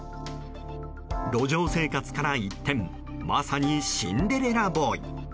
路上生活から一転まさにシンデレラボーイ。